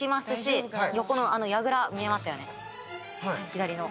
左の。